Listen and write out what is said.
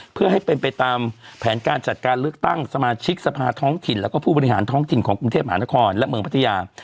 เพื่อให้เป็นไปตามแผนการจัดการเลือกตั้งสมาชิกสภาท้องถิ่นแล้วก็ผู้บริหารท้องถิ่นของกรุงเทพมหานครและเมืองพัทยา